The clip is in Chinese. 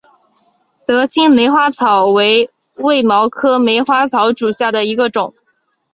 德钦梅花草为卫矛科梅花草属下的一个种。